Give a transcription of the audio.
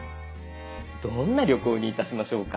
どんな旅行にいたしましょうか。